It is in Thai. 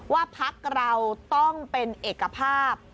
ว่าพักเราต้องเป็นเอกภาพ